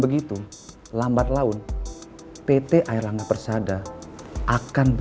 gue tahu kok